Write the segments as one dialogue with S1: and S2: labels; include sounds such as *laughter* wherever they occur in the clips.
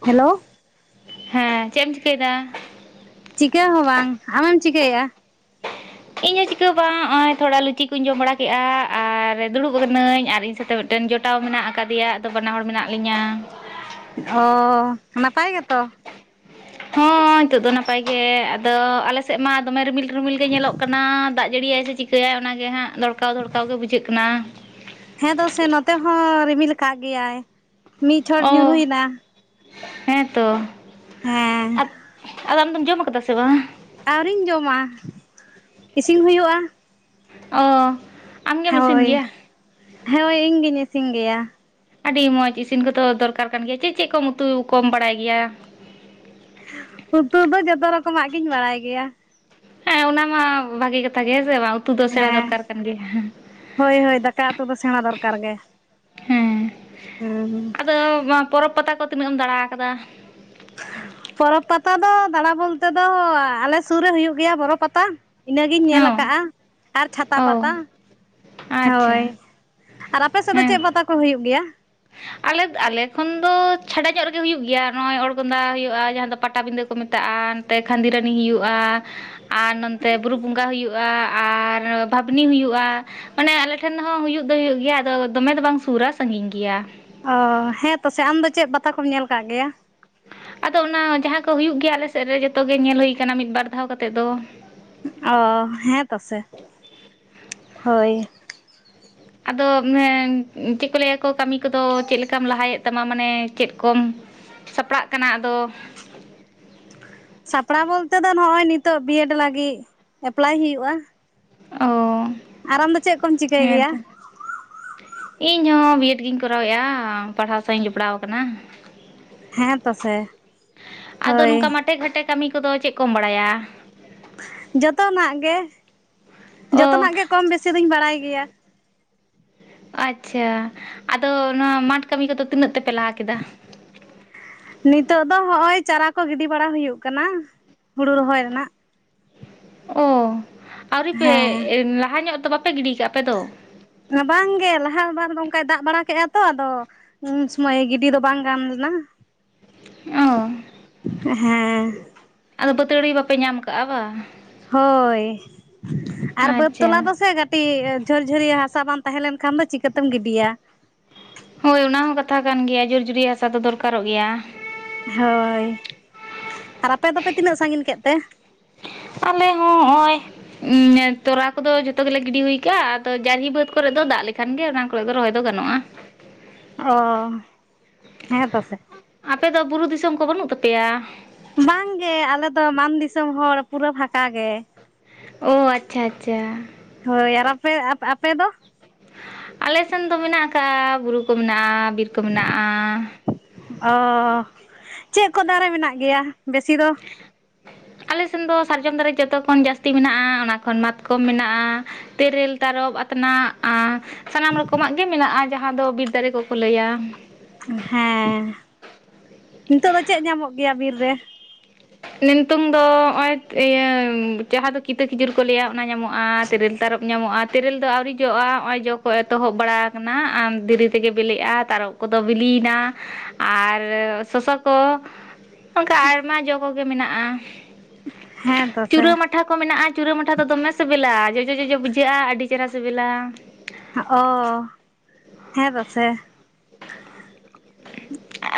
S1: Hello
S2: ᱦᱮᱸ ᱪᱮᱫ ᱮᱢ ᱪᱤᱠᱟᱹᱭᱮᱫᱟ?
S1: ᱪᱤᱠᱟᱹ ᱦᱚᱸ ᱵᱟᱝ ᱟᱢᱮᱢ ᱪᱤᱠᱟᱹᱮᱭᱟ?
S2: ᱤᱧᱦᱚᱸ ᱪᱤᱠᱟᱹ ᱦᱚᱸ ᱵᱟᱝ ᱱᱚᱜᱼᱚᱭ ᱛᱷᱚᱲᱟ ᱞᱩᱪᱤ ᱠᱚᱧ ᱡᱚᱢ ᱵᱟᱲᱟ ᱠᱮᱫᱼᱟ, ᱟᱨ ᱫᱩᱲᱩᱵ ᱟᱠᱟᱱᱟᱹᱧ ᱟᱨ ᱤᱧ ᱥᱟᱛᱮ ᱢᱤᱫᱴᱟᱝ ᱢᱤᱫ ᱴᱟᱝ ᱡᱚᱴᱟᱣ ᱢᱮᱱᱟᱜ ᱟᱠᱟᱫᱮᱭᱟ ᱟᱫᱚ ᱵᱟᱱᱟ ᱦᱚᱲ ᱢᱮᱱᱟᱜ ᱞᱤᱧᱟ᱾
S1: ᱚ ᱱᱟᱯᱟᱭ ᱜᱮᱛᱚ᱾
S2: ᱦᱚᱸ ᱱᱤᱛᱚᱜ ᱫᱚ ᱱᱟᱯᱟᱭ ᱜᱮ ᱟᱫᱚ ᱟᱞᱮ ᱥᱮᱫ ᱢᱟ ᱫᱚᱢᱮ ᱨᱤᱢᱤᱞ ᱨᱤᱢᱤᱞ ᱜᱮ ᱧᱮᱞᱚᱜ ᱠᱟᱱᱟ ᱾ᱫᱟᱜ, ᱡᱟᱹᱲᱤᱭᱟᱭ ᱥᱮ ᱪᱤᱠᱟᱹᱭᱟᱭ ᱚᱱᱟᱜᱮ ᱦᱟᱸᱜ ᱫᱚᱲᱠᱟᱣ - ᱫᱚᱲᱠᱟᱣ ᱜᱮ ᱵᱩᱡᱷᱟᱹᱜ ᱠᱟᱱᱟ᱾
S1: ᱦᱮᱸ ᱫᱚ ᱥᱮ ᱱᱚᱛᱮ ᱦᱚᱸ ᱨᱤᱢᱤᱞ ᱟᱠᱟᱫ ᱜᱮᱭᱟᱭ, ᱢᱤᱫ ᱪᱚᱲ
S2: ᱚ
S1: ᱧᱩᱨᱩ ᱮᱱᱟ᱾
S2: ᱦᱮᱸᱛᱚ
S1: ᱦᱮᱸ
S2: ᱟᱫᱚ ᱟᱢ ᱫᱚᱢ ᱡᱚᱢ ᱠᱟᱫᱟ ᱥᱮ ᱵᱟᱝ?
S1: ᱟᱹᱣᱨᱤᱧ ᱡᱚᱢᱟ ᱤᱥᱤᱱ ᱦᱩᱭᱩᱜᱼᱟ᱾
S2: ᱚ ᱟᱢᱜᱮᱢ ᱤᱥᱤᱱ
S1: ᱦᱚᱭ,
S2: ᱜᱮᱭᱟ
S1: ᱦᱚᱭ ᱤᱧᱜᱤᱧ ᱤᱥᱤᱱ ᱜᱮᱭᱟ᱾
S2: ᱟᱹᱰᱤ ᱢᱚᱸᱡᱽ ᱤᱥᱤᱱ ᱠᱚᱫᱚ ᱫᱚᱨᱠᱟᱨ ᱠᱟᱱ ᱜᱮᱭᱟ, ᱪᱮᱫ ᱪᱮᱫ ᱠᱚᱢ ᱩᱛᱩ ᱠᱚᱢ ᱵᱟᱲᱟᱭ ᱜᱮᱭᱟ?
S1: ᱩᱛᱩ ᱫᱚ ᱡᱚᱛᱚ ᱨᱚᱠᱚᱢᱟᱜ ᱜᱤᱧ ᱵᱟᱲᱟᱭ ᱜᱮᱭᱟ᱾
S2: ᱦᱮᱸ ᱚᱱᱟ ᱢᱟ ᱵᱷᱟᱜᱤ ᱠᱟᱛᱷᱟ ᱜᱮ ᱦᱮᱸ ᱥᱮ ᱵᱟᱝ ᱾ ᱩᱛᱩ ᱫᱚ ᱥᱮᱬᱟ
S1: ᱦᱮᱸ
S2: ᱫᱚᱨᱠᱟᱨ ᱠᱟᱱ ᱜᱮᱭᱟ᱾
S1: ᱦᱳᱭ ᱦᱳᱭ ᱫᱟᱠᱟ ᱩᱛᱩ ᱫᱚ ᱥᱮᱬᱟ ᱫᱚᱨᱠᱟᱨ ᱜᱮ
S2: ᱦᱮᱸ
S1: ᱦᱩᱸ ᱦᱩᱸ
S2: ᱟᱫᱚ ᱯᱚᱨᱚᱵᱽ ᱯᱟᱛᱟ ᱠᱚ ᱛᱤᱱᱟᱹᱜ ᱮᱢ ᱫᱟᱬᱟ ᱟᱠᱟᱫᱟ?
S1: ᱯᱚᱨᱚᱵᱽ ᱯᱟᱛᱟ ᱫᱚ ᱫᱟᱬᱟ ᱵᱚᱞᱛᱮ ᱫᱚ ᱟᱞᱮ ᱥᱩᱨ ᱨᱮ ᱦᱩᱭᱩᱜ ᱜᱮᱭᱟ ᱵᱳᱨᱚ ᱯᱟᱛᱟ᱾ ᱤᱱᱟᱹ ᱜᱤᱧ ᱧᱮᱞ
S2: ᱦᱮᱸ
S1: ᱟᱠᱟᱫᱼᱟ ᱟᱨ ᱪᱷᱟᱛᱟ
S2: ᱚ
S1: ᱯᱟᱛᱟ
S2: ᱟᱪᱪᱷᱟ
S1: ᱦᱚᱭ᱾ ᱟᱨ ᱟᱯᱮ ᱥᱮᱫ ᱫᱚ
S2: ᱦᱮᱸ
S1: ᱪᱮᱫ ᱯᱟᱛᱟ ᱠᱚ ᱦᱩᱭᱩᱜ ᱜᱮᱭᱟ?
S2: ᱟᱞᱮ ᱟᱞᱮ ᱠᱷᱚᱱ ᱫᱚ ᱪᱷᱟᱰᱟ ᱧᱚᱜ ᱨᱮᱜᱮ ᱦᱩᱭᱩᱜ ᱜᱮᱭᱟ, ᱱᱚᱜᱼᱚᱭ ᱚᱲᱜᱚᱸᱫᱟ ᱦᱩᱭᱩᱜᱼᱟ ᱡᱟᱦᱟᱸ ᱫᱚ ᱯᱟᱴᱟᱵᱤᱫᱟᱹ ᱾ ᱠᱚ ᱢᱮᱛᱟᱜᱼᱟ ᱱᱚᱛᱮ ᱠᱷᱟᱺᱫᱤ ᱨᱟᱱᱤ ᱦᱩᱭᱩᱜᱼᱟ ᱾ ᱟᱨ ᱱᱚᱛᱮ ᱵᱩᱨᱩ ᱵᱚᱸᱜᱟ ᱦᱩᱭᱩᱜᱼᱟ, ᱟᱨ ᱵᱷᱟᱵᱽᱱᱤ ᱦᱩᱭᱩᱜᱼᱟ ᱾ ᱢᱟᱱᱮ ᱟᱞᱮ ᱴᱷᱮᱱ ᱦᱚᱸ ᱦᱩᱭᱩᱜ ᱫᱚ ᱦᱩᱭᱩᱜ ᱜᱮᱭᱟ ᱟᱫᱚ ᱫᱚᱢᱮ ᱫᱚ ᱵᱟᱝ ᱥᱩᱨᱟ ᱥᱟᱺᱜᱤᱧ ᱜᱮᱭᱟ ᱾
S1: ᱚᱻ ᱦᱮᱸ ᱯᱟᱥᱮ ᱟᱢ ᱫᱚ ᱪᱮᱫ ᱯᱟᱛᱟ ᱠᱚᱢ ᱧᱮᱞ ᱟᱠᱟᱫ ᱜᱮᱭᱟ?
S2: ᱟᱫᱚ ᱚᱱᱟ ᱡᱟᱦᱟᱸ ᱠᱚ ᱦᱩᱭᱩᱜ ᱜᱮᱭᱟ ᱟᱞᱮᱥᱮᱫ ᱨᱮ ᱡᱚᱛᱚ ᱜᱮ ᱧᱮᱞ ᱦᱩᱭ ᱟᱠᱟᱱᱟ ᱢᱤᱫ ᱵᱟᱨ ᱫᱷᱟᱣ ᱠᱟᱛᱮ ᱫᱚ ᱾
S1: ᱚ ᱦᱮᱸ‌ ᱯᱟᱥᱮ, ᱦᱳᱭᱼᱼ
S2: ᱟᱫᱚ ᱪᱮᱫ ᱠᱚ ᱞᱟᱹᱭᱟᱠᱚ ᱠᱟᱹᱢᱤ ᱠᱚᱫᱚ ᱪᱮᱫ ᱞᱮᱠᱟᱢ ᱞᱟᱦᱟᱭᱮᱫ ᱛᱟᱢᱟ ᱢᱟᱱᱮ, ᱪᱮᱫ ᱠᱚᱢᱼᱼ ᱥᱟᱯᱲᱟᱜ ᱠᱟᱱᱟ ᱟᱫᱚᱼᱼ
S1: ᱥᱟᱯᱲᱟᱣ ᱵᱚᱞᱛᱮ ᱫᱚ ᱱᱚᱜᱼᱚᱭ ᱱᱤᱛᱚᱜ ᱵᱤᱭᱮᱰ ᱞᱟᱹᱜᱤᱫ ᱮᱯᱞᱟᱭ ᱦᱩᱭᱩᱜᱼᱟ ᱾
S2: ᱚᱸ
S1: ᱟᱨ ᱟᱢᱫᱚ ᱪᱮᱫ ᱠᱚᱢ ᱪᱤᱠᱟᱹᱭ ᱜᱮᱭᱟ?
S2: ᱤᱧ ᱦᱚᱸ ᱵᱤᱮᱰ ᱜᱤᱧ ᱠᱚᱨᱟᱣᱮᱫᱼᱟ ᱯᱟᱲᱦᱟᱣ ᱥᱟᱶ ᱤᱧ ᱡᱚᱯᱲᱟᱣ ᱟᱠᱟᱱᱟ ᱾
S1: ᱦᱮᱸ ᱯᱟᱥᱮᱼᱼ
S2: ᱟᱫᱚ ᱱᱚᱝᱠᱟ ᱢᱟᱴᱷᱮ ᱜᱷᱟᱴᱮ ᱠᱟᱹᱢᱤ ᱠᱚᱫᱚ ᱪᱮᱫ ᱠᱚᱢ ᱵᱟᱲᱟᱭᱟ?
S1: ᱡᱚᱛᱚᱱᱟᱜ ᱜᱮ
S2: ᱚ
S1: ᱡᱚᱛᱚᱱᱟᱜ ᱜᱮ ᱠᱚᱢ ᱵᱮᱥᱤ ᱫᱩᱧ ᱵᱟᱲᱟᱭ ᱜᱮᱭᱟ ᱾
S2: ᱟᱪᱪᱷᱟ ᱟᱫᱚ ᱱᱚᱣᱟ ᱢᱟᱴᱷ ᱠᱟᱹᱢᱤ ᱠᱚᱫᱚ ᱛᱤᱱᱟᱹᱜ ᱛᱮᱯᱮ ᱞᱟᱦᱟ ᱠᱮᱫᱟ?
S1: *unintelligible* ᱱᱤᱛᱚᱜ ᱫᱚ ᱦᱚᱜᱼᱚᱭ ᱪᱟᱨᱟ ᱠᱚ ᱜᱤᱰᱤ ᱵᱟᱲᱟ ᱦᱩᱭᱩᱜ ᱠᱟᱱᱟ ᱦᱩᱲᱩ ᱨᱚᱦᱚᱭ ᱨᱮᱱᱟᱜ ᱾
S2: ᱚ ᱟᱹᱣᱨᱤ ᱯᱮ
S1: ᱦᱮᱸ
S2: ᱞᱟᱦᱟ ᱧᱚᱜ ᱫᱚ ᱵᱟᱯᱮ ᱜᱤᱰᱤ ᱠᱟᱜᱼᱟ ᱟᱯᱮ ᱫᱚ?
S1: ᱵᱟᱝᱜᱮ ᱞᱟᱦᱟ ᱵᱟᱨ ᱫᱚ ᱚᱱᱠᱟᱭ ᱫᱟᱜ ᱵᱟᱲᱟ ᱠᱮᱫᱼᱟ ᱛᱚ ᱟᱫᱚᱼᱼ ᱩᱱ ᱥᱚᱢᱚᱭ ᱜᱤᱰᱤ ᱫᱚ ᱵᱟᱝ ᱜᱟᱱ ᱞᱮᱱᱟ ᱾
S2: ᱚ
S1: ᱦᱮᱸ
S2: ᱟᱫᱚ ᱵᱟᱹᱛᱟᱹᱲᱤ ᱵᱟᱯᱮ ᱧᱟᱢ ᱠᱟᱜᱼᱟ ᱵᱟᱝ?
S1: ᱦᱳᱭ, ᱟᱨ ᱵᱟᱹᱫᱽ ᱛᱚᱞᱟ
S2: ᱟᱪᱪᱷᱟ
S1: ᱫᱚᱥᱮᱼᱼ ᱠᱟᱹᱴᱤᱡ ᱡᱷᱚᱨᱡᱷᱚᱨᱤᱭᱟᱹ ᱦᱟᱥᱟ ᱵᱟᱝ ᱛᱟᱦᱮᱸ ᱞᱮᱱ ᱠᱷᱟᱱ ᱫᱚ ᱪᱤᱠᱟᱹᱛᱮᱢ ᱜᱤᱰᱤᱭᱟ ᱾
S2: ᱦᱳᱭ ᱚᱱᱟ ᱦᱚᱸ ᱠᱟᱛᱷᱟ ᱠᱟᱱ ᱜᱮᱭᱟ, ᱡᱷᱚᱨ ᱡᱷᱩᱨᱤᱭᱟᱹ ᱦᱟᱥᱟ ᱫᱚ ᱫᱚᱨᱠᱟᱨᱚᱜ ᱜᱮᱭᱟ ᱾
S1: ᱦᱳᱭ ᱟᱨ ᱟᱯᱮ ᱫᱚᱯᱮ ᱛᱤᱱᱟᱹᱜ ᱥᱟᱺᱜᱤᱧ ᱠᱮᱫ ᱛᱮ?
S2: ᱟᱞᱮ ᱦᱚᱸ ᱱᱚᱜᱼᱚᱭᱼᱼ ᱛᱚᱨᱟ ᱠᱚᱫᱚ ᱡᱷᱚᱛᱚ ᱜᱮᱞᱮ ᱜᱤᱰᱤ ᱦᱩᱭᱠᱟᱜᱼᱟ, ᱟᱫᱚ ᱡᱟᱹᱨᱤ ᱵᱟᱹᱫᱽ ᱠᱚᱨᱮ ᱫᱚ ᱫᱟᱜ ᱞᱮᱠᱷᱟᱱ ᱜᱮ ᱚᱱᱟ ᱠᱚᱼᱼ ᱠᱚ ᱫᱚ ᱨᱚᱦᱚᱭ ᱫᱚ ᱜᱟᱱᱚᱜᱼᱟ ᱾
S1: ᱚ ᱦᱮᱸ ᱛᱚ ᱥᱮ ᱾
S2: ᱟᱯᱮ ᱫᱚ ᱵᱩᱨᱩ ᱫᱤᱥᱚᱢ ᱠᱚ ᱵᱟᱹᱱᱩᱜ ᱛᱟᱯᱮᱭᱟ?
S1: ᱵᱟᱝ ᱜᱮ ᱟᱞᱮ ᱫᱚ ᱢᱟᱱ ᱫᱤᱥᱚᱢ ᱦᱚᱲ ᱯᱩᱨᱟᱹ ᱵᱷᱟᱸᱴᱟ ᱜᱮ ᱾
S2: ᱚ ᱟᱪᱪᱷᱟ ᱟᱪᱪᱷᱟ ᱾
S1: ᱦᱳᱭ ᱟᱨ ᱟᱯᱮ ᱟᱯᱮ ᱫᱚ?
S2: ᱟᱞᱮ ᱥᱮᱱ ᱫᱚ ᱢᱮᱱᱟᱜ ᱠᱟᱜᱼᱟ, ᱵᱩᱨᱩ ᱠᱚ ᱢᱮᱱᱟᱜᱼᱟ, ᱵᱤᱨ ᱠᱚ ᱢᱮᱱᱟᱜ ᱾
S1: ᱚ ᱪᱮᱫ ᱠᱚ ᱫᱟᱨᱮ ᱢᱮᱱᱟᱜ ᱜᱮᱭᱟ ᱵᱮᱥᱤ ᱫᱚ?
S2: ᱟᱞᱮ ᱥᱮᱱ ᱫᱚ ᱥᱟᱨᱡᱚᱢ ᱫᱟᱨᱮ ᱡᱚᱛᱚ ᱠᱷᱚᱱ ᱡᱟᱹᱥᱛᱤ ᱢᱮᱱᱟᱜᱼᱟ, ᱚᱱᱟ ᱠᱷᱚᱱ ᱢᱟᱛᱠᱚᱢ ᱢᱮᱱᱟᱜᱼᱟ ᱾ ᱛᱮᱨᱮᱞ ᱛᱟᱨᱚᱯ ᱟᱛᱱᱟᱜᱼᱼ ᱟᱨ ᱥᱟᱱᱟᱢ ᱨᱚᱠᱚᱢᱟᱜ ᱜᱮ ᱢᱮᱱᱟᱜᱼᱟ, ᱡᱟᱦᱟᱸ ᱫᱚ ᱵᱤᱨ ᱫᱟᱨᱮ ᱠᱚᱠᱚ ᱞᱟᱹᱭᱟ ᱾
S1: ᱦᱮᱸ, ᱱᱤᱛᱚᱜ ᱫᱚ ᱪᱮᱫ ᱧᱟᱢᱚᱜ ᱜᱮᱭᱟ ᱵᱤᱨ ᱨᱮ?
S2: ᱱᱤᱛᱚᱝ ᱫᱚ ᱱᱚᱜᱼᱚᱭ ᱤᱭᱟᱹ ᱡᱟᱦᱟᱸ ᱫᱚ ᱠᱤᱛᱟᱹ ᱠᱷᱤᱡᱩᱨ ᱠᱚ ᱞᱟᱹᱭᱟ ᱚᱱᱟ ᱧᱟᱢᱚᱜᱼᱟ ᱾ ᱛᱮᱨᱮᱞ ᱛᱟᱨᱚᱯ ᱧᱟᱢᱚᱜᱼᱟ, ᱛᱮᱨᱮᱞ ᱫᱚ ᱟᱹᱣᱨᱤ ᱡᱚᱜᱼᱟ ᱱᱚᱜᱼᱚᱭ ᱡᱚ ᱠᱚ ᱮᱛᱚᱦᱚᱵ ᱵᱟᱲᱟ ᱟᱠᱟᱱᱟ, ᱟᱢ ᱫᱤᱨᱤ ᱛᱮᱜᱮ ᱵᱤᱞᱤᱜᱼᱟ ᱛᱟᱨᱚᱯᱼᱼ ᱠᱚᱫᱚ ᱵᱤᱞᱤᱭᱮᱱᱟ ᱟᱨ ᱥᱚᱥᱚ ᱠᱚ ᱚᱱᱠᱟ ᱟᱭᱢᱟ ᱡᱚᱢ᱾ ᱠᱚᱜᱮ ᱢᱮᱱᱟᱜᱼᱟ᱾
S1: ᱦᱮᱸ ᱛᱚ ᱥᱮ᱾
S2: ᱪᱩᱨᱟᱹ ᱢᱟᱴᱷᱟ ᱠᱚ ᱢᱮᱱᱟᱜᱼᱟ ᱪᱩᱨᱟᱹ ᱢᱟᱴᱷᱟ ᱫᱚ ᱫᱚᱢᱮ ᱥᱤᱵᱤᱞᱟ, ᱡᱚᱡᱚ ᱡᱚᱡᱚ ᱵᱩᱡᱷᱟᱹᱜᱼᱟ ᱟᱹᱰᱤ ᱪᱮᱦᱨᱟ ᱥᱤᱵᱤᱞᱟ᱾
S1: ᱚ ᱦᱮᱸ ᱛᱚ ᱥᱮ᱾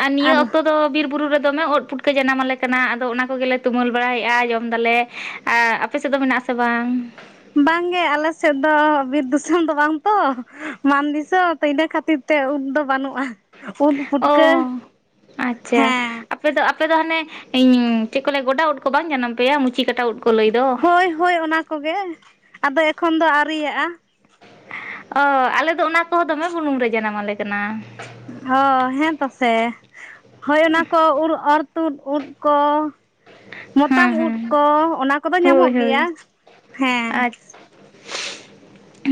S2: ᱟᱨ ᱱᱤᱭᱟᱹ ᱚᱠᱛᱚ᱾ ᱛᱚ ᱵᱤᱨ ᱵᱩᱨᱩ ᱨᱮ ᱫᱚᱢᱮ ᱩᱫ ᱯᱩᱴᱠᱟᱹ ᱡᱟᱱᱟᱢ ᱟᱞᱮ ᱠᱟᱱᱟ ᱟᱫᱚ ᱚᱱᱟ ᱠᱚᱜᱮᱞᱮ ᱛᱩᱢᱟᱹᱞ ᱵᱟᱲᱟᱭᱮᱫᱼᱟ ᱡᱚᱢ ᱫᱟᱞᱮ᱾ ᱟ ᱟᱯᱮ ᱥᱮᱫ ᱫᱚ ᱢᱮᱱᱟᱜ ᱟᱥᱮ ᱵᱟᱝ?
S1: ᱵᱟᱝᱜᱮ ᱟᱞᱮ ᱥᱮᱫ ᱫᱚ ᱵᱤᱨ ᱫᱩᱥᱟᱹᱢ ᱫᱚ ᱵᱟᱝ ᱛᱚ ᱢᱟᱱ ᱫᱤᱥᱟᱹᱢ ᱛᱚ ᱤᱱᱟᱹ ᱠᱷᱟᱹᱛᱤᱨ᱾ ᱛᱮ ᱩᱫ ᱫᱚ ᱵᱟᱱᱩᱜᱼᱟ ᱩᱫ ᱯᱩᱴᱠᱟᱹ
S2: ᱚ ᱟᱪᱪᱷᱟ
S1: ᱦᱮᱸᱻ
S2: ᱟᱯᱮ ᱫᱚ ᱟᱯᱮ ᱫᱚ ᱦᱟᱱᱮ ᱤᱧ ᱪᱮᱫ ᱠᱚ ᱞᱮ ᱜᱚᱰᱟ ᱩᱫ ᱠᱚ ᱵᱟᱝ ᱡᱟᱱᱟᱢ ᱯᱮᱭᱟ ᱢᱩᱪᱤ ᱠᱟᱴᱟ ᱩᱫ ᱠᱚ ᱞᱟᱹᱭ ᱫᱚ᱾
S1: ᱦᱳᱭ ᱦᱳᱭ ᱚᱱᱟ ᱠᱚ ᱜᱮ ᱟᱫᱚ ᱮᱠᱷᱚᱱ ᱫᱚ ᱟᱨᱤᱭᱟᱜᱼᱟ᱾
S2: ᱚ ᱟᱞᱮ ᱫᱚ ᱚᱱᱟ ᱠᱚᱦᱚᱸ ᱫᱚᱢᱮ ᱵᱩᱞᱩᱝ ᱨᱮ ᱡᱟᱱᱟᱢ ᱟᱞᱮ ᱠᱟᱱᱟ᱾
S1: ᱦᱚ ᱦᱮᱸ ᱛᱚ ᱥᱮ, ᱦᱳᱭ ᱚᱱᱟ ᱠᱚ ᱩᱲ ᱚᱨ ᱛᱩᱫ ᱩᱫ ᱠᱚ᱾
S2: ᱦᱮᱸ
S1: ᱢᱚᱛᱟᱢ ᱩᱫ
S2: ᱦᱮᱸ
S1: ᱠᱚ ᱚᱱᱟ ᱠᱚ ᱫᱚ
S2: ᱦᱳᱭ
S1: ᱧᱟᱢᱚᱜ
S2: ᱦᱳᱭ
S1: ᱜᱮᱭᱟ ᱦᱮᱸ᱾
S2: ᱟᱪᱪᱷᱟ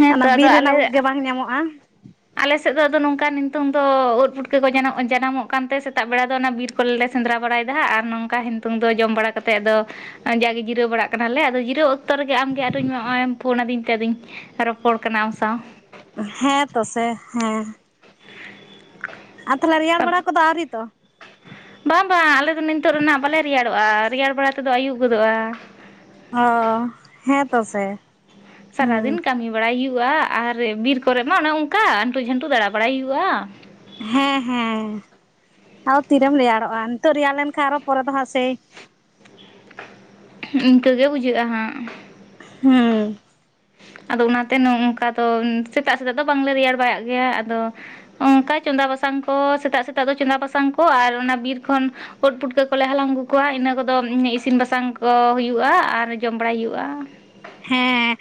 S2: ᱦᱮᱸᱛᱚ
S1: ᱚᱱᱟ
S2: ᱟᱫᱚ
S1: ᱵᱤᱨ
S2: ᱟᱞᱮ
S1: ᱨᱮᱱᱟᱜ ᱩᱫ ᱜᱮ ᱵᱟᱝ ᱧᱟᱢᱚᱜᱼᱟ᱾
S2: ᱟᱞᱮ ᱥᱮᱫ ᱫᱚ ᱟᱫᱚ ᱱᱚᱝᱠᱟ ᱱᱤᱛᱚᱝ ᱫᱚ ᱩᱫ ᱯᱩᱴᱠᱟᱹ ᱠᱚ ᱡᱟᱱᱟᱢ ᱡᱟᱱᱟᱢᱚᱜ ᱠᱟᱱ ᱛᱮ ᱥᱮᱛᱟᱜ ᱵᱮᱲᱟ ᱫᱚ ᱚᱱᱟ ᱵᱤᱨ᱾ ᱠᱚᱞ ᱞᱮ ᱥᱮᱸᱫᱽᱨᱟ ᱵᱟᱨᱟᱭᱮᱫᱟ ᱟᱨ ᱱᱚᱝᱠᱟ ᱦᱤᱱᱛᱩᱝ ᱫᱚ ᱡᱚᱢ ᱵᱟᱲᱟ ᱠᱟᱛᱮ ᱟᱫᱚ᱾ ᱡᱟᱜᱮ ᱡᱤᱨᱟᱹᱣ ᱵᱟᱲᱟᱜ ᱠᱟᱱᱟᱞᱮ ᱟᱫᱚ ᱡᱤᱨᱟᱹᱣ ᱚᱠᱛᱚ ᱨᱮᱜᱮ ᱟᱢᱜᱮ ᱟᱨᱤᱧ ᱱᱚᱜᱼᱚᱭ ᱮᱢ ᱯᱷᱳᱱ ᱟᱫᱤᱧ ᱛᱮ ᱟᱫᱤᱧ᱾ ᱨᱚᱯᱚᱲ ᱠᱟᱱᱟ ᱟᱢ ᱥᱟᱶ᱾
S1: ᱦᱮᱸ ᱛᱚ ᱥᱮ ᱦᱮᱸ᱾ ᱟᱨ ᱛᱟᱦᱚᱞᱮ ᱨᱮᱭᱟᱲ ᱵᱟᱲᱟ ᱠᱚᱫᱚ ᱟᱣᱨᱤ ᱛᱚ᱾
S2: ᱵᱟᱝ ᱵᱟᱝ ᱟᱞᱮ ᱫᱚ ᱱᱤᱛᱚᱜ ᱨᱮᱱᱟᱜ ᱵᱟᱞᱮ ᱨᱮᱭᱟᱲᱚᱜᱼᱟ, ᱨᱮᱭᱟᱲ ᱵᱟᱲᱟ ᱛᱮ ᱫᱚ ᱟᱹᱭᱩᱵ ᱜᱚᱫᱚᱜᱼᱟ᱾
S1: ᱦᱚ ᱦᱮᱸ ᱛᱚ ᱥᱮ᱾
S2: ᱥᱟᱨᱟ ᱫᱤᱱ ᱠᱟᱢᱤ ᱵᱟᱲᱟᱭ ᱦᱩᱭᱩᱜᱼᱟ ᱟᱨ ᱵᱤᱨ ᱠᱚᱨᱮ ᱢᱟ ᱚᱱᱮ ᱚᱱᱠᱟ ᱟᱱᱴᱩ ᱡᱷᱟᱱᱴᱩ ᱫᱟᱬᱟ ᱵᱟᱲᱟᱭ ᱦᱩᱭᱩᱜᱼᱟ᱾
S1: ᱦᱮᱸ ᱦᱮᱸ ᱛᱟᱣ ᱛᱤᱨᱮᱢ ᱨᱮᱭᱟᱲᱚᱜᱼᱟ ᱱᱤᱛᱚᱜ ᱨᱮᱭᱟᱲ ᱞᱮᱱ ᱠᱷᱟᱱ ᱟᱨᱚ ᱯᱚᱨᱮ ᱫᱚ ᱦᱟ ᱥᱮᱭ᱾
S2: ᱤᱱᱠᱟᱹ ᱜᱮ ᱵᱩᱡᱷᱟᱹᱜᱼᱟ ᱦᱟᱸᱜ᱾
S1: ᱦᱩᱸ ᱼ
S2: ᱟᱫᱚ ᱚᱱᱟᱛᱮ ᱱᱚᱼᱳᱝᱠᱟ ᱫᱚ ᱥᱮᱛᱟᱜ ᱥᱮᱛᱟᱜ ᱫᱚ ᱵᱟᱝᱞᱮ ᱨᱮᱭᱟᱲ ᱵᱟᱲᱟᱜ ᱜᱮᱭᱟ ᱟᱫᱚ᱾ ᱚᱱᱠᱟ ᱪᱚᱸᱫᱟ ᱵᱟᱥᱟᱝ ᱠᱚ ᱥᱮᱛᱟᱜ ᱥᱮᱛᱟᱜ ᱫᱚ ᱪᱚᱸᱫᱟ ᱵᱟᱥᱟᱝ ᱠᱚ ᱟᱨ ᱚᱱᱟ ᱵᱤᱨ ᱠᱷᱚᱱ ᱩᱫ ᱯᱩᱴᱠᱟᱹ ᱠᱚᱞᱮ ᱦᱟᱞᱟᱝ ᱟᱹᱜᱩ ᱠᱚᱣᱟ ᱤᱱᱟᱹ ᱠᱚ ᱫᱚ ᱤᱥᱤᱱ ᱵᱟᱥᱟᱝ ᱠᱚ ᱦᱩᱭᱩᱜᱼᱟ ᱟᱨ ᱡᱚᱢ ᱵᱟᱲᱟᱭ ᱦᱩᱭᱩᱜᱼᱟ᱾
S1: ᱦᱮᱸ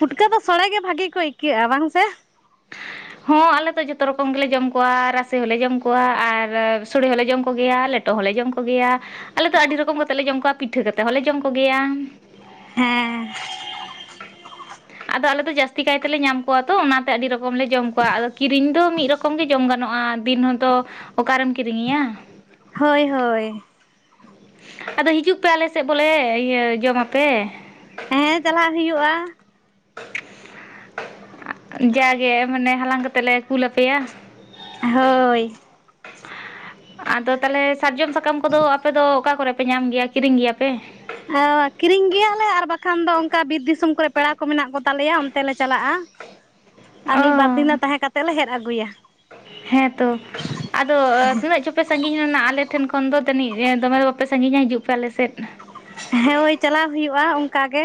S1: ᱯᱩᱴᱠᱟᱹ ᱫᱚ ᱥᱚᱲᱮ ᱜᱮ ᱵᱷᱟᱜᱤ ᱠᱚ ᱤᱭᱠᱟᱹᱜᱼᱟ ᱵᱟᱝ ᱥᱮ᱾ *unintelligible*
S2: ᱦᱚᱸ ᱟᱞᱮ ᱛᱚ ᱡᱚᱛᱚ ᱨᱚᱠᱚᱢ ᱜᱮᱞᱮ ᱡᱚᱢ ᱠᱚᱣᱟ, ᱨᱟᱥᱮ ᱦᱚᱸᱞᱮ ᱡᱚᱢ ᱠᱚᱣᱟ ᱟᱨ ᱥᱚᱲᱮ ᱦᱚᱸᱞᱮ ᱡᱚᱢ ᱠᱚᱜᱮᱭᱟ ᱞᱮᱴᱼᱼ ᱞᱮᱴᱚ ᱦᱚᱸᱞᱮ ᱡᱚᱢ ᱠᱚ ᱜᱮᱭᱟ ᱟᱞᱮ ᱫᱚ ᱟᱹᱰᱤ ᱨᱚᱠᱚᱢ ᱠᱟᱛᱮ ᱞᱮ ᱡᱚᱢ ᱠᱚᱣᱟ ᱯᱤᱴᱷᱟᱹ ᱠᱟᱛᱮᱫ ᱦᱚᱸᱞᱮ ᱡᱚᱢ᱾ ᱠᱚᱜᱮᱭᱟ᱾
S1: ᱦᱮᱸ
S2: ᱟᱫᱚ ᱟᱞᱮ ᱫᱚ ᱡᱟᱥᱛᱤ ᱠᱟᱭ ᱛᱮᱞᱮ ᱧᱟᱢ ᱠᱚᱣᱟ ᱛᱚ ᱚᱱᱟ᱾ ᱟᱹᱰᱤ ᱨᱚᱠᱚᱢ ᱞᱮ ᱡᱚᱢ ᱠᱚᱣᱟ ᱟᱫᱚ ᱠᱤᱨᱤᱧ ᱫᱚ ᱢᱤᱫ ᱨᱚᱠᱚᱢ ᱜᱮ ᱡᱚᱢ ᱜᱟᱱᱚᱜᱼᱟ ᱫᱤᱱ ᱦᱚᱸᱛᱳ᱾ ᱚᱠᱟᱨᱮᱢ ᱠᱤᱨᱤᱧᱮᱭᱟ᱾
S1: ᱦᱳᱭ ᱻᱦᱳᱭ
S2: ᱟᱫᱚ ᱦᱤᱡᱩᱜ ᱯᱮ ᱟᱞᱮ ᱥᱮᱫ ᱵᱚᱞᱮ ᱤᱭᱟᱹ ᱡᱚᱢ ᱟᱯᱮ᱾
S1: ᱦᱮᱸ ᱪᱟᱞᱟᱜ ᱦᱩᱭᱩᱜᱼᱟ᱾
S2: ᱡᱟᱜᱮ ᱢᱟᱱᱮ ᱦᱟᱞᱟᱝ ᱠᱟᱛᱮᱫ ᱞᱮ ᱠᱩᱞᱟᱯᱮᱭᱟ ᱾
S1: ᱦᱳᱭ *unintelligible*
S2: ᱟᱫᱚ, ᱛᱟᱦᱞᱮ ᱥᱟᱨᱡᱚᱢ ᱥᱟᱠᱟᱢ ᱠᱚ ᱫᱚ, ᱟᱯᱮ ᱫᱚ ᱚᱠᱟ ᱠᱚᱨᱮ ᱯᱮ, ᱧᱟᱢ ᱜᱮᱭᱟ ᱾ ᱠᱤᱨᱤᱧ ᱜᱮᱭᱟ ᱯᱮ?
S1: ᱟᱻᱚ ᱠᱤᱨᱤᱧ ᱜᱮᱭᱟ ᱞᱮ, ᱟᱨ ᱵᱟᱠᱷᱟᱱ, ᱫᱚ ᱚᱱᱠᱟ ᱵᱤᱨ ᱫᱤᱥ ᱥᱚᱢ ᱠᱚᱨᱮ, ᱯᱮᱲᱟ ᱠᱚ, ᱢᱮᱱᱟᱜ ᱠᱚ ᱛᱟᱞᱮᱭᱟ, ᱚᱱᱛᱮ ᱞᱮ ᱪᱟᱞᱟᱜᱼᱟ ᱾ ᱟᱨ,
S2: ᱚ
S1: ᱢᱤᱫ ᱵᱟᱨ ᱫᱤᱱ ᱞᱮ, ᱛᱟᱦᱮᱸ ᱠᱟᱛᱮᱫ ᱞᱮ, ᱦᱮᱫ ᱟᱹᱜᱩᱭᱟ ᱾
S2: ᱦᱮᱸᱛᱚ, ᱟᱫᱚ? ᱟᱹᱜ ᱪᱚᱯᱮ ᱥᱟᱺᱜᱤᱧ ᱞᱮᱱᱟ, ᱟᱞᱮ ᱴᱷᱮᱱ ᱠᱷᱚᱱ ᱫᱚ, ᱫᱟᱹᱱᱤᱡ, ᱫᱚᱢᱮ ᱫᱚ, ᱵᱟᱯᱮ ᱥᱟᱺᱜᱤᱧᱼᱟ ᱾ ᱦᱤᱡᱩᱜ ᱯᱮ, ᱟᱞᱮ ᱥᱮᱫ ᱾
S1: ᱦᱮᱸ, ᱦᱳᱭ! ᱪᱟᱞᱟᱣ ᱦᱩᱭᱩᱜᱼᱟ ᱾ ᱚᱱᱠᱟ ᱜᱮ,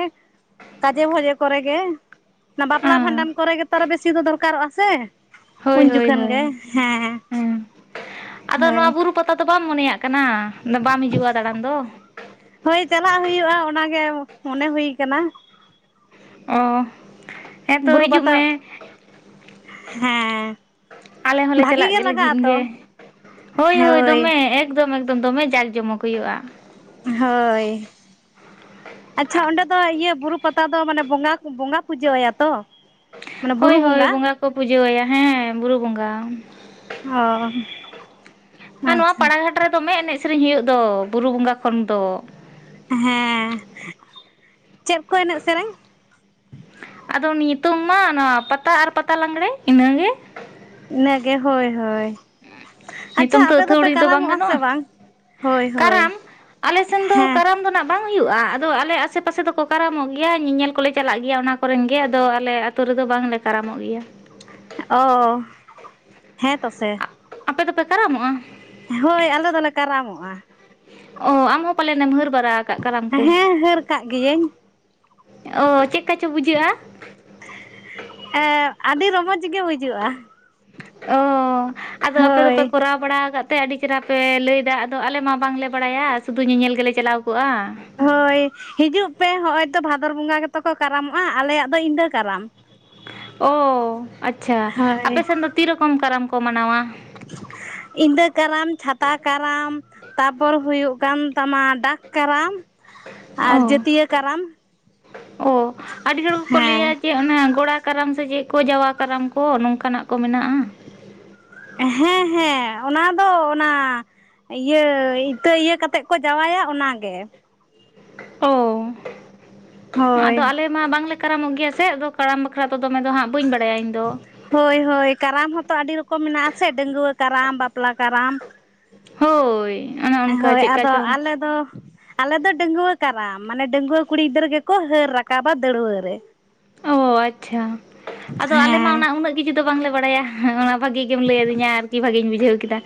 S1: ᱠᱟᱡᱮ ᱵᱷᱚᱡᱮ, ᱠᱚᱨᱮ ᱜᱮ ᱾ ᱚᱱᱟ, ᱵᱟᱯᱞᱟ ᱵᱷᱟᱸᱰᱟᱱ ᱠᱚᱨᱮ ᱜᱮ ᱛᱚ, ᱟᱨᱚ ᱵᱮᱥᱤ ᱫᱚ,, ᱫᱚᱨᱠᱟᱨᱚᱜᱼᱟ ᱥᱮ ᱾
S2: ᱦᱳᱭ
S1: ᱩᱱ
S2: ᱦᱳᱭ
S1: ᱡᱚᱠᱷᱚᱱ
S2: ᱦᱳᱭ
S1: ᱜᱮ, ᱦᱮᱸ,
S2: ᱦᱮᱸ ᱟᱫᱚ
S1: ᱦᱳᱭ
S2: ᱱᱚᱣᱟ
S1: ᱾
S2: ᱵᱩᱨᱩ ᱯᱟᱛᱟ ᱫᱚ, ᱵᱟᱢ ᱢᱚᱱᱮᱭᱟᱜ ᱠᱟᱱᱟ ᱾ ᱵᱟᱢ ᱦᱤᱡᱩᱜᱼᱟ, ᱫᱟᱬᱟᱱ ᱫᱚ?
S1: ᱦᱳᱭ, ᱪᱟᱞᱟᱜ ᱦᱩᱭᱩᱜᱼᱟ, ᱚᱱᱟ ᱜᱮ ᱢᱚᱱᱮ, ᱦᱩᱭ ᱟᱠᱟᱱᱟ ᱾
S2: ᱚᱦ, ᱦᱮᱸᱛᱚ,
S1: ᱵᱩᱨᱩ
S2: ᱦᱤᱡᱩᱜ
S1: ᱯᱟᱛᱟ
S2: ᱢᱮ
S1: ᱦᱮᱸ
S2: ᱾ ᱟᱞᱮ ᱦᱚᱸ ᱞᱮ,
S1: ᱵᱷᱟᱜᱤ
S2: ᱪᱟᱞᱟᱜ ᱜᱮ,
S1: ᱞᱟᱜᱟᱜ
S2: ᱞᱟᱹᱜᱤᱫ
S1: ᱟᱛᱚ
S2: ᱜᱮ ᱾ ᱦᱳᱭ ᱦᱳᱭ, ᱫᱚᱢᱮ, ᱮᱠᱫᱚᱢ ᱮᱠᱫᱚᱢ ᱫᱚᱢᱮ, ᱡᱟᱠ ᱡᱚᱢᱚᱠ ᱦᱩᱭᱩᱜᱼᱟ ᱾
S1: ᱦᱳᱭ ᱾ ᱟᱪᱪᱷᱟ ᱾ ᱚᱸᱰᱮ ᱫᱚ, ᱤᱭᱟᱹ ᱵᱩᱨᱩ ᱯᱟᱛᱟ ᱫᱚ, ᱢᱟᱱᱮ ᱵᱚᱸᱜᱟ, ᱵᱚᱸᱜᱟ ᱯᱩᱡᱟᱹ ᱟᱭᱟ ᱛᱚ? ᱢᱟᱱᱮ
S2: ᱦᱳᱭ
S1: ᱵᱩᱨᱩ
S2: ᱦᱳᱭ, ᱵᱚᱸᱜᱟ ᱠᱚ, ᱯᱩᱡᱟᱹ ᱟᱭᱟ, ᱦᱮᱸ! ᱵᱩᱨᱩ ᱵᱚᱸᱜᱟ ᱾
S1: ᱦᱚᱻ ᱾
S2: ᱱᱚᱣᱟ ᱯᱟᱲᱟᱜᱷᱟᱴ ᱨᱮ, ᱫᱚᱢᱮ ᱮᱱᱮᱡ ᱥᱮᱨᱮᱧ ᱦᱩᱭᱩᱜ ᱫᱚ, ᱵᱩᱨᱩ ᱵᱚᱸᱜᱟ ᱠᱷᱚᱱ ᱫᱚ ᱾
S1: ᱦᱮᱸᱻ, ᱪᱮᱫ ᱠᱚ, ᱮᱱᱮᱡ ᱥᱮᱨᱮᱧ?
S2: ᱟᱫᱚ, ᱱᱤᱛᱳᱝ ᱢᱟ, ᱱᱚᱣᱟ ᱯᱟᱛᱟ ᱟᱨ ᱯᱟᱛᱟ ᱞᱟᱸᱜᱽᱲᱮ ᱾ ᱤᱱᱟᱹ ᱜᱮ ᱾
S1: ᱤᱱᱟᱹ ᱜᱮ, ᱦᱳᱭ ᱦᱳᱭ ᱾
S2: ᱱᱤᱛᱚᱝ ᱛᱚ, ᱟᱹᱛᱷᱟᱹᱣᱲᱤ ᱫᱚ, ᱵᱟᱝ
S1: ᱥᱮ
S2: ᱜᱟᱱᱚᱜᱼᱟ
S1: ᱵᱟᱝ ᱦᱳᱭ
S2: ᱾
S1: ᱦᱳᱭ
S2: ᱠᱟᱨᱟᱢ ᱾ ᱟᱞᱮ ᱥᱮᱱ ᱫᱚ,
S1: ᱦᱮᱸ
S2: ᱠᱟᱨᱟᱢ ᱫᱚ ᱱᱷᱟᱜ ᱵᱟᱝ ᱦᱩᱭᱩᱜᱼᱟ ᱾ ᱟᱫᱚ, ᱟᱞᱮ ᱟᱥᱮ ᱯᱟᱥᱮ ᱫᱚ ᱠᱚ, ᱠᱟᱨᱟᱢᱚᱜ ᱜᱮᱭᱟ ᱾ ᱧᱮᱧᱮᱞ ᱠᱚᱞᱮ, ᱪᱟᱞᱟᱜ ᱜᱮᱭᱟ ᱾ ᱚᱱᱟ ᱠᱚᱨᱮᱱ ᱜᱮ, ᱟᱫᱚ ᱟᱞᱮ ᱟᱛᱳ ᱨᱮᱫᱚ, ᱵᱟᱝ ᱞᱮ ᱠᱟᱨᱟᱢᱚᱜ ᱜᱮᱭᱟ ᱾
S1: ᱚᱻ ᱦᱮᱸ, ᱛᱚ ᱥᱮ ᱾
S2: ᱟᱯᱮ ᱫᱚᱯᱮ, ᱠᱟᱨᱟᱢᱚᱜᱼᱟ?
S1: ᱦᱳᱭ! ᱟᱞᱮ ᱫᱚ ᱞᱮ, ᱠᱟᱨᱟᱢᱚᱜᱼᱟ ᱾
S2: ᱚᱼ ᱟᱢ ᱦᱚᱸ ᱯᱟᱞᱮᱱ ᱮᱢ, ᱦᱟᱹᱨ ᱵᱟᱲᱟ ᱟᱠᱟᱫᱼᱟ, ᱠᱟᱱᱟᱢ ᱠᱚ?
S1: ᱦᱮᱸ ᱦᱟᱹᱨ ᱠᱟᱜ ᱜᱤᱭᱟᱹᱧ
S2: ᱚᱻ ᱪᱮᱫ ᱞᱮᱠᱟ ᱪᱚ, ᱵᱩᱡᱷᱟᱹᱜᱼᱟ?
S1: ᱮᱸ ᱟᱹᱰᱤ ᱨᱚᱢᱚᱡᱽ ᱜᱮ, ᱵᱩᱡᱩᱜᱼᱟ ᱾
S2: ᱚᱻ ᱟᱫᱚ, ᱟᱯᱮ ᱫᱚᱯᱮ,
S1: ᱦᱳᱭ
S2: ᱠᱚᱨᱟᱣ ᱵᱟᱲᱟ ᱟᱠᱟᱫ ᱾ ᱛᱮ, ᱟᱹᱰᱤ ᱪᱮᱦᱨᱟ ᱯ, ᱞᱟᱹᱭᱮᱫᱟ ᱾ ᱟᱫᱚ, ᱟᱞᱮ ᱢᱟ ᱵᱟᱝᱞᱮ, ᱵᱟᱲᱟᱭᱟ ᱥᱩᱫᱩ ᱧᱮᱧᱮᱞ ᱜᱮᱞᱮ, ᱪᱟᱞᱟᱣ ᱠᱚᱜᱼᱟ ᱾
S1: ᱦᱳᱭ, ᱦᱤᱡᱩᱜ ᱯᱮ, ᱦᱚᱸᱜᱼᱚᱭ ᱛᱚ, ᱵᱷᱟᱫᱚᱨ ᱵᱚᱸᱜᱟ ᱜᱮᱛᱚ ᱠᱚ, ᱠᱟᱨᱟᱢᱚᱜᱼᱟ ᱾ ᱟᱞᱮᱭᱟᱜ ᱫᱚ, ᱤᱸᱫᱟᱹ ᱠᱟᱨᱟᱢ ᱾
S2: ᱚᱻᱟᱪᱪᱷᱟ ᱾
S1: ᱦᱳᱭ
S2: ᱟᱯᱮ ᱥᱮᱱ ᱫᱚ, ᱛᱤ ᱨᱚᱠᱚᱢ ᱠᱟᱨᱟᱢ ᱠᱚ, ᱢᱟᱱᱟᱣᱟ ᱾
S1: ᱤᱸᱫᱟᱹ ᱠᱟᱨᱟᱢ, ᱪᱷᱟᱛᱟ ᱠᱟᱨᱟᱢ, ᱛᱟᱯᱚᱨ, ᱦᱩᱭᱩᱜ ᱠᱟᱱ ᱛᱟᱢᱟ, ᱰᱟᱠ ᱠᱟᱨᱟᱢ, ᱟᱨ,
S2: ᱚ
S1: ᱡᱟᱹᱛᱭᱟᱹ ᱠᱟᱨᱟᱢ ᱾ ᱦᱮᱸ ᱾
S2: ᱚᱱᱮ, ᱜᱚᱲᱟ ᱠᱟᱨᱟᱢ ᱥᱮ ᱪᱮᱫ ᱠᱚ, ᱡᱟᱣᱟ ᱠᱟᱨᱟᱢ ᱠᱚ, ᱱᱚᱝᱠᱟ ᱱᱟᱜ ᱠᱚ, ᱢᱮᱱᱟᱜᱼᱟ ᱾
S1: ᱦᱮᱸ ᱦᱮᱸ, ᱚᱱᱟ ᱫᱚ, ᱚᱱᱟ ᱤᱭᱟᱹ, ᱤᱛᱟᱹ ᱤᱭᱟᱹ ᱠᱟᱛᱮᱫ ᱠᱚ, ᱡᱟᱶᱟᱭᱟ ᱚᱱᱟ ᱜᱮ ᱾
S2: ᱚᱻ
S1: ᱦᱳᱭ
S2: ᱟᱫᱚ? ᱟᱞᱮ ᱢᱟ, ᱵᱟᱝᱞᱮ ᱠᱟᱨᱟᱢᱚᱜ ᱜᱮᱭᱟ, ᱥᱮ ᱟᱫᱚ ᱠᱟᱨᱟᱢ ᱵᱟᱠᱷᱨᱟ ᱛᱮ ᱫᱚ, ᱫᱚᱢᱮ ᱫᱚ ᱦᱟᱸᱜ ᱵᱟᱹᱧ, ᱵᱟᱲᱟᱭᱟ ᱤᱧ ᱫᱚ ᱾
S1: ᱦᱳᱭ ᱦᱳᱭ, ᱠᱟᱨᱟᱢ ᱦᱚᱸᱛᱚ, ᱟᱹᱰᱤ ᱨᱚᱠᱚᱢ ᱢᱮᱱᱟᱜ ᱥᱮ, ᱰᱟᱺᱜᱩᱣᱟᱹ ᱠᱟᱨᱟᱢ, ᱵᱟᱯᱞᱟ ᱠᱟᱨᱟᱢ,
S2: ᱦᱳᱭ ᱚᱱᱮ ᱚᱱᱠᱟ
S1: ᱦᱳᱭ
S2: ᱪᱮᱫᱠᱟ
S1: ᱟᱫᱚ
S2: ᱪᱚᱝ
S1: ᱟᱞᱮ ᱫᱚ᱾ ᱟᱞᱮ ᱫᱚ ᱰᱟᱹᱜᱟᱹᱣᱟᱹ ᱠᱟᱨᱟᱢ ᱢᱟᱱᱮ ᱰᱟᱹᱜᱟᱹᱣᱟᱹ ᱠᱩᱲᱤ ᱜᱤᱫᱨᱟᱹ ᱜᱮᱠᱚ ᱦᱟᱹᱨ ᱨᱟᱠᱟᱵᱟ ᱫᱟᱹᱲᱣᱟᱹ ᱨᱮ᱾
S2: ᱚᱸ ᱟᱪᱪᱷᱟ ᱟᱫᱚ ᱟᱞᱮ ᱢᱟ
S1: ᱦᱮᱸ
S2: ᱚᱱᱟ ᱩᱱᱟᱹᱜ᱾ ᱠᱤᱪᱷᱩ ᱫᱚ ᱵᱟᱝᱞᱮ ᱵᱟᱲᱟᱭᱟ ᱚᱱᱟ ᱵᱷᱟᱜᱤ ᱜᱮᱢ ᱞᱟᱹᱭ ᱟᱹᱫᱤᱧᱟ ᱟᱨᱠᱤ ᱵᱷᱟᱜᱤᱧ ᱵᱩᱡᱷᱟᱹᱣ ᱠᱮᱫᱟ᱾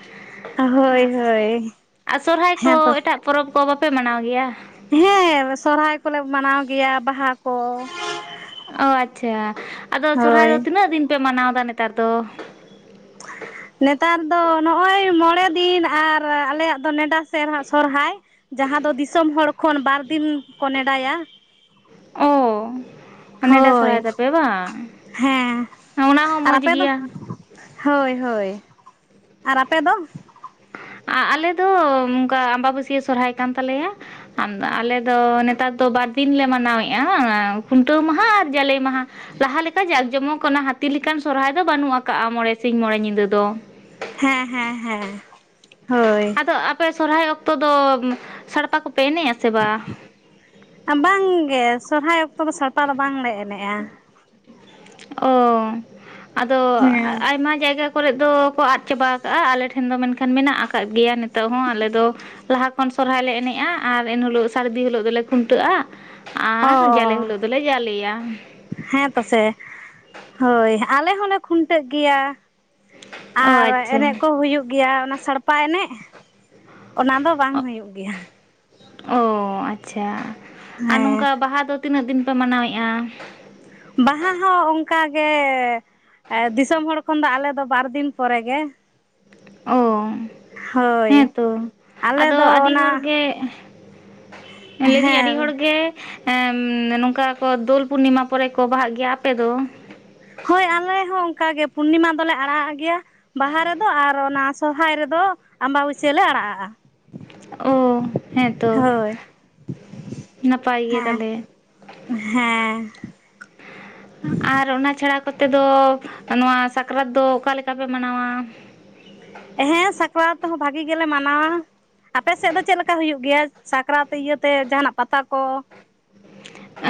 S1: ᱦᱳᱭ ᱦᱳᱭ
S2: ᱟᱨ ᱥᱚᱨᱦᱟᱭ ᱠᱚ
S1: ᱦᱮᱸ ᱛᱚ᱾
S2: ᱮᱴᱟᱜ ᱯᱚᱨᱚᱵᱽ ᱠᱚ ᱵᱟᱯᱮ ᱢᱟᱱᱟᱣ ᱜᱮᱭᱟ᱾
S1: ᱦᱮᱸ ᱥᱚᱨᱦᱟᱭ ᱠᱚᱞᱮ ᱢᱟᱱᱟᱣ ᱜᱮᱭᱟ ᱵᱟᱦᱟ ᱠᱚ᱾
S2: ᱚᱸ ᱟᱪᱪᱷᱟ ᱟᱫᱚ ᱥᱚᱨᱦᱟᱭ ᱫᱚ
S1: ᱦᱳᱭ
S2: ᱛᱤᱱᱟᱹᱜ ᱫᱤᱱ ᱯᱮ ᱢᱟᱱᱟᱣ ᱮᱫᱟ ᱱᱮᱛᱟᱨ ᱫᱚ?
S1: *unintelligible* ᱱᱮᱛᱟᱨ ᱫᱚ ᱱᱚᱜ-ᱚᱭ ᱢᱚᱲᱮ ᱫᱤᱱ ᱟᱨ ᱟᱞᱮᱭᱟᱜ ᱫᱚ ᱱᱮᱰᱟ ᱥᱮᱨ ᱥᱚᱨᱦᱟᱭ᱾ ᱡᱟᱦᱟᱸ ᱫᱚ ᱫᱤᱥᱚᱢ ᱦᱚᱲ ᱠᱷᱚᱱ ᱵᱟᱨ ᱫᱤᱱ ᱠᱚ ᱱᱮᱰᱟᱭᱟ᱾
S2: ᱚ ᱱᱮᱰᱟ
S1: ᱦᱳᱭ
S2: ᱥᱚᱨᱦᱟᱭ ᱛᱟᱯᱮ ᱵᱟᱝ
S1: ᱦᱮᱸ
S2: ᱚᱱᱟ ᱦᱚᱸ
S1: ᱟᱨ
S2: ᱢᱚᱡᱽ
S1: ᱟᱯᱮ ᱫᱚ᱾
S2: ᱜᱮᱭᱟ
S1: ᱦᱳᱭ ᱦᱳᱭ ᱟᱨ ᱟᱯᱮ ᱫᱚ᱾
S2: ᱟᱞᱮ ᱫᱚ ᱚᱱᱠᱟ ᱟᱢᱵᱟᱵᱟᱹᱥᱭᱟᱹ ᱥᱚᱨᱦᱟᱭ ᱠᱟᱱ ᱛᱟᱞᱮᱭᱟ᱾ ᱟᱢ ᱟᱞᱮ ᱫᱚ ᱱᱮᱛᱟᱨ ᱫᱚ ᱵᱟᱨᱫᱤᱱ ᱞᱮ ᱢᱟᱱᱟᱣᱮᱫᱼᱟ ᱠᱷᱩᱱᱴᱟᱹᱣ ᱢᱟᱦᱟ ᱟᱨ ᱡᱟᱞᱮ ᱢᱟᱦᱟ᱾ ᱞᱟᱦᱟ ᱞᱮᱠᱟ ᱡᱟᱸᱠ ᱡᱚᱢᱚᱠ ᱚᱱᱟ ᱦᱟᱹᱛᱤ ᱞᱮᱠᱟᱱ ᱥᱚᱨᱦᱟᱭ ᱫᱚ ᱵᱟᱹᱱᱩᱜ ᱟᱠᱟᱜᱼᱟ ᱢᱚᱬᱮ ᱥᱤᱧ ᱢᱚᱬᱮ ᱧᱤᱫᱟᱹ ᱫᱚ᱾
S1: ᱦᱮᱸ ᱦᱮᱸ ᱦᱮᱸ ᱦᱳᱭ᱾
S2: ᱟᱫᱚ ᱟᱯᱮ ᱥᱚᱨᱦᱟᱭ ᱚᱠᱛᱚ ᱫᱚ ᱥᱟᱲᱯᱟ ᱠᱚᱯᱮ ᱮᱱᱮᱡ ᱟ ᱥᱮ ᱵᱟᱝ᱾
S1: ᱵᱟᱝᱜᱮ ᱥᱚᱨᱦᱟᱭ ᱚᱠᱛᱚ ᱫᱚ ᱥᱟᱲᱯᱟ ᱫᱚ ᱵᱟᱝᱞᱮ ᱮᱱᱮᱡᱼᱟ᱾
S2: ᱚ ᱟᱫᱚ
S1: ᱦᱮᱸ
S2: ᱟᱭᱢᱟ ᱡᱟᱭᱜᱟ᱾ ᱠᱚᱨᱮ ᱫᱚᱠᱚ ᱟᱫ ᱪᱟᱵᱟ ᱟᱠᱟᱜᱼᱟ ᱟᱞᱮ ᱴᱷᱮᱱ ᱫᱚ ᱢᱮᱱᱠᱷᱟᱱ ᱢᱮᱱᱟᱜ ᱟᱠᱟᱫ ᱜᱮᱭᱟ ᱱᱤᱛᱚᱜ ᱦᱚᱸ ᱟᱞᱮ ᱫᱚ᱾ ᱞᱟᱦᱟ ᱠᱷᱚᱱ ᱥᱚᱨᱦᱟᱭ ᱞᱮ ᱮᱱᱮᱡᱼᱟ ᱟᱨ ᱮᱱᱦᱤᱞᱳᱜ ᱥᱟᱨᱫᱤ ᱦᱤᱞᱳᱜ ᱫᱚᱞᱮ ᱠᱷᱩᱱᱴᱟᱹᱜᱼᱟ᱾ ᱟᱨ ᱡᱟᱞᱮ
S1: ᱚ
S2: ᱦᱤᱞᱳᱜ ᱫᱚᱞᱮ ᱡᱟᱞᱮᱭᱟ᱾
S1: ᱦᱮᱸ ᱛᱚᱥᱮ ᱦᱳᱭ ᱟᱞᱮ ᱦᱚᱸᱞᱮ ᱠᱷᱩᱱᱴᱟᱹᱜ ᱜᱮᱭᱟ᱾
S2: ᱚ
S1: ᱟᱨ
S2: ᱟᱪᱪᱷᱟ
S1: ᱮᱱᱮᱡ ᱠᱚ ᱦᱩᱭᱩᱜ ᱜᱮᱭᱟ ᱚᱱᱟ ᱥᱟᱲᱯᱟ᱾ *inaudible* ᱮᱱᱮᱡ ᱚᱱᱟ ᱫᱚ ᱵᱟᱝ ᱦᱩᱭᱩᱜ ᱜᱮᱭᱟ᱾
S2: ᱚ ᱟᱪᱪᱷᱟ ᱟᱨ
S1: ᱦᱮᱸ
S2: ᱱᱚᱝᱠᱟ ᱵᱟᱦᱟ ᱫᱚ ᱛᱤᱱᱟᱹᱜ ᱫᱤᱱ ᱯᱮ ᱢᱟᱱᱟᱣᱮᱜᱼᱟ᱾
S1: ᱵᱟᱦᱟ ᱦᱚᱸ ᱚᱱᱠᱟᱜᱮ ᱫᱤᱥᱚᱢ ᱦᱚᱲ ᱠᱷᱚᱱ ᱫᱚ ᱟᱞᱮ ᱫᱚ ᱵᱟᱨᱫᱤᱱ ᱯᱚᱨᱮᱜᱮ᱾
S2: ᱚ
S1: ᱦᱳᱭ
S2: ᱦᱮᱸᱛᱚ
S1: ᱟᱞᱮ
S2: ᱟᱫᱚ
S1: ᱫᱚ
S2: ᱟᱹᱰᱤ ᱦᱚᱲ
S1: ᱚᱱᱟ
S2: ᱜᱮ᱾ ᱞᱟᱹᱭ ᱫᱟᱹᱧ ᱟᱹᱰᱤ ᱦᱚᱲ
S1: ᱦᱮᱸ
S2: ᱜᱮ᱾ ᱮᱢ ᱱᱚᱝᱠᱟ ᱠᱚ ᱫᱳᱞ ᱯᱩᱨᱱᱤᱢᱟ ᱯᱚᱨᱮ ᱠᱚ ᱵᱟᱦᱟ ᱜᱮᱭᱟ ᱟᱯᱮ ᱫᱚ᱾
S1: ᱦᱳᱭ ᱟᱞᱮ ᱦᱚᱸ ᱚᱱᱠᱟ ᱜᱮ ᱯᱩᱨᱱᱤᱢᱟ ᱫᱚᱞᱮ ᱟᱲᱟᱜᱟᱜ ᱜᱮᱭᱟ ᱵᱟᱦᱟ ᱨᱮᱫᱚ ᱟᱨ ᱚᱱᱟ᱾ ᱥᱚᱨᱚᱨᱟᱭ ᱨᱮᱫᱚ ᱟᱢᱵᱟᱵᱟᱹᱥᱭᱟᱹ ᱞᱮ ᱟᱲᱟᱜ ᱟᱜᱼᱟ᱾
S2: ᱚ ᱦᱮᱸᱛᱚ ᱱᱟᱯᱟᱭ ᱜᱮᱭᱟ
S1: ᱦᱮᱸ
S2: ᱛᱟᱦᱟᱞᱮ᱾
S1: ᱦᱮᱸ
S2: ᱟᱨ ᱚᱱᱟ ᱪᱷᱟᱲᱟ ᱠᱚᱛᱮ ᱫᱚ ᱱᱚᱣᱟ ᱥᱟᱠᱨᱟᱛ ᱫᱚ ᱚᱠᱟ ᱞᱮᱠᱟ ᱯᱮ ᱢᱟᱱᱟᱣᱟ᱾
S1: ᱦᱮᱸ ᱥᱟᱠᱨᱟᱛ ᱦᱚᱸ ᱵᱷᱟᱜᱤ ᱜᱮᱞᱮ ᱢᱟᱱᱟᱣᱟ ᱟᱯᱮ ᱥᱮᱫ ᱫᱚ ᱪᱮᱫ ᱞᱮᱠᱟ ᱦᱩᱭᱩᱜ ᱜᱮᱭᱟ᱾ ᱥᱟᱠᱨᱟᱛ ᱤᱭᱟᱹᱛᱮ ᱡᱟᱦᱟᱱᱟᱜ ᱯᱟᱛᱟ ᱠᱚ᱾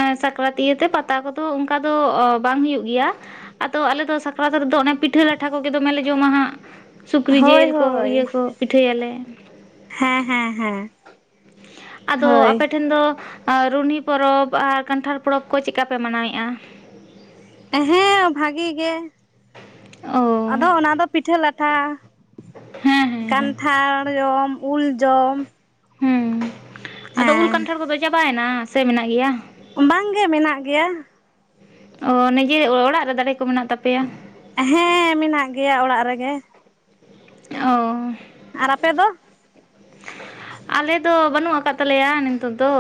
S2: ᱮᱜ ᱥᱟᱠᱨᱟᱛ ᱤᱭᱟᱛᱮ ᱯᱟᱛᱟ ᱠᱚᱫᱚ ᱚᱱᱠᱟ ᱫᱚ ᱵᱟᱝ ᱦᱩᱭᱩᱜ ᱜᱮᱭᱟ᱾ ᱟᱫᱚ ᱟᱞᱮ ᱫᱚ ᱥᱟᱠᱨᱟᱛ ᱨᱮᱫᱚ ᱚᱱᱮ ᱯᱤᱴᱷᱟᱹ ᱞᱟᱴᱷᱟ ᱠᱚᱜᱮ ᱫᱚᱢᱮ ᱞᱮ ᱡᱚᱢᱟ ᱦᱟᱸᱜ᱾ ᱥᱩᱠᱨᱤ
S1: ᱦᱳᱭ
S2: ᱡᱤᱞ ᱠᱚ
S1: ᱦᱳᱭ
S2: ᱤᱭᱟᱹ ᱠᱚ ᱯᱤᱴᱷᱟᱹᱭᱟᱞᱮ᱾
S1: ᱦᱮᱸ ᱦᱮᱸ ᱦᱮᱸ
S2: ᱟᱫᱚ
S1: ᱦᱳᱭ
S2: ᱟᱯᱮ ᱴᱷᱮᱱ ᱫᱚ ᱨᱩᱱᱦᱤ᱾ ᱯᱚᱨᱚᱵᱽ ᱟᱨ ᱠᱟᱱᱴᱷᱟᱲ ᱯᱚᱨᱚᱵᱽ ᱠᱚ ᱪᱮᱠᱟ ᱯᱮ ᱢᱟᱱᱟᱣᱮᱫᱼᱟ᱾
S1: ᱦᱮᱸ ᱵᱷᱟᱜᱤ ᱜᱮ
S2: ᱚ
S1: ᱟᱫᱚ ᱚᱱᱟ ᱫᱚ ᱯᱤᱴᱷᱟᱹ ᱞᱟᱴᱷᱟ᱾
S2: ᱦᱮᱸ ᱦᱮᱸ ᱦᱮᱸ
S1: ᱠᱟᱱᱴᱷᱟᱲ ᱡᱚᱢ ᱩᱞ ᱡᱚᱢ
S2: ᱦᱮᱸ ᱟᱫᱚ ᱩᱞ
S1: ᱦᱮᱸ
S2: ᱠᱟᱱᱴᱷᱟᱲ ᱠᱚᱫᱚ ᱪᱟᱵᱟᱭᱮᱱᱟ ᱥᱮ ᱢᱮᱱᱟᱜ ᱜᱮᱭᱟ?
S1: ᱵᱟᱝ ᱜᱮ ᱢᱮᱱᱟᱜ ᱜᱮᱭᱟ᱾
S2: ᱚ ᱱᱤᱡᱮ ᱚᱲᱟᱜ ᱨᱮ ᱫᱟᱨᱮ ᱠᱚ ᱢᱮᱱᱟᱜ ᱛᱟᱯᱮᱭᱟ?
S1: ᱦᱮᱸ ᱢᱮᱱᱟᱜ ᱜᱮᱭᱟ ᱚᱲᱟᱜ ᱨᱮᱜᱮ᱾
S2: ᱚᱻ
S1: ᱟᱨ ᱟᱯᱮ ᱫᱚ?
S2: ᱟᱞᱮ ᱫᱚ ᱵᱟᱹᱱᱩᱜ ᱟᱠᱟᱫ ᱛᱟᱞᱮᱭᱟ ᱱᱤᱛᱳ ᱫᱚ᱾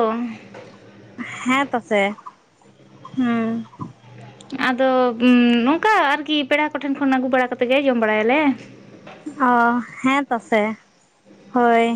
S1: ᱦᱮᱸ ᱛᱚ ᱥᱮ ᱦᱩᱸ᱾
S2: ᱟᱫᱚ ᱱᱚᱝᱠᱟ ᱟᱨᱠᱤ ᱯᱮᱲᱟ ᱠᱚᱴᱷᱮᱱ ᱠᱷᱚᱱ ᱟᱹᱜᱩ ᱵᱟᱲᱟ ᱠᱟᱛᱮᱫ ᱜᱮ ᱡᱚᱢ ᱵᱟᱲᱟᱭᱟᱞᱮ᱾
S1: ᱚ ᱦᱮᱸ ᱛᱚᱥᱮ ᱦᱳᱭ᱾